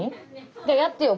じゃあやってよ